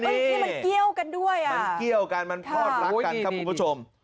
ที่มันเกี้ยวกันด้วยอ่ะมันเกี่ยวกันมันพลอดรักกันครับคุณผู้ชม